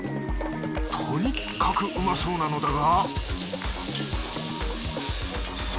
とにかくうまそうなのだが。